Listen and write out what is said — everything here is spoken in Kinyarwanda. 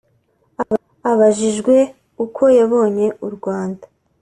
Abajijwe uko yabonye u Rwanda